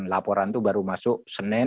laporan itu baru masuk